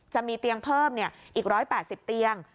จะมีเตียงเพิ่มอีก๑๘๐เตียง